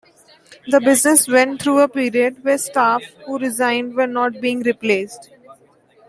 The business went through a period where staff who resigned were not being replaced.